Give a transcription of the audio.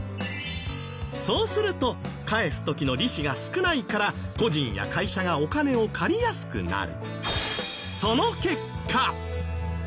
そうすると返す時の利子が少ないから個人や会社がお金を借りやすくなる。